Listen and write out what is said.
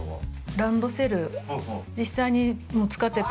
ランドセル、実際に使っていた。